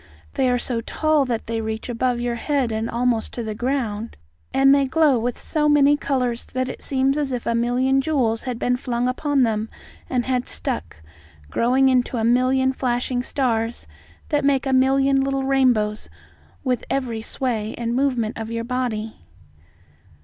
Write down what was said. They are so tall that they reach above your head and almost to the ground, and they glow with so many colours that it seems as if a million jewels had been flung upon them and had stuck, growing into a million flashing stars that make a million little rainbows with every sway and movement of your body."